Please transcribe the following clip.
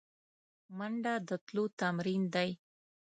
منډه د تلو تمرین دی